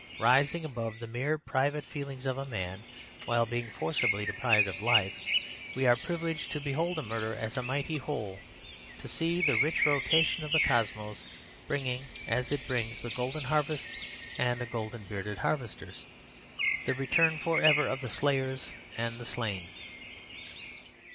Rising above the mere private feelings of a man while being forcibly deprived of life, we are privileged to behold murder as a mighty whole, to see the rich rotation of the cosmos, bringing, as it brings the golden harvests and the golden bearded harvesters, the return for ever of the slayers and the slain."